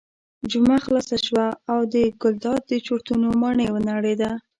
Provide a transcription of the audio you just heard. جمعه خلاصه شوه او د ګلداد د چورتونو ماڼۍ ونړېده.